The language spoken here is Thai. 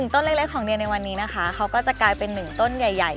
ต้นเล็กของเดียในวันนี้นะคะเขาก็จะกลายเป็น๑ต้นใหญ่